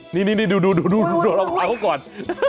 นี่ดูเราเอาเขาก่อน